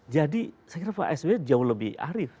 jadi saya kira pak sb jauh lebih arif